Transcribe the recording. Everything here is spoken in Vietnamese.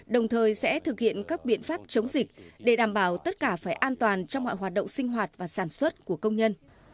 đồng thời sẽ thực hiện các biện pháp chống dịch để đảm bảo tất cả phải an toàn trong mọi hoạt động sinh hoạt và sản xuất của công nhân